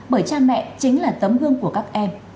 bởi cha mẹ chính là tấm gương của các em